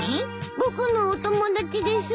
僕のお友達です。